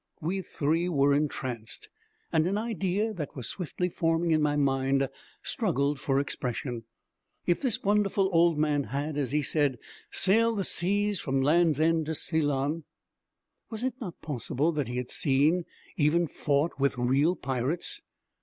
We three were entranced; and an idea that was swiftly forming in my mind struggled for expression. If this wonderful old man had, as he said, sailed the seas from Land's End to Ceylon, was it not possible that he had seen, even fought with, real pirates?